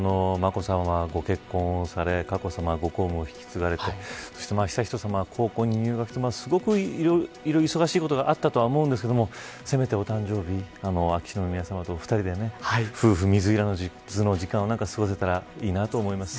眞子さんはご結婚され佳子さまもご公務を引き継がれて悠仁さまは高校に入学されていろいろ忙しいことがあったと思うんですけどせめてお誕生日秋篠宮さまと２人で夫婦、水入らずの時間を過ごせたらいいなと思います。